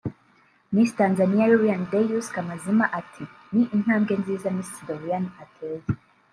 Miss Tanzaniya Lilian Deus Kamazima ati” Ni intambwe nziza MissDoriane ateye